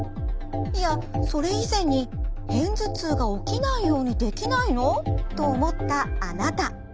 いやそれ以前に片頭痛が起きないようにできないの？と思ったあなた。